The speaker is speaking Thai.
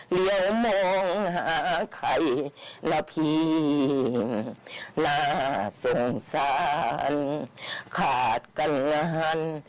เหลือมองหาใครนะพี่น่าสงสารขาดกันนาน